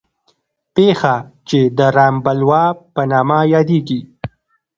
پېښه چې د رام بلوا په نامه یادېږي.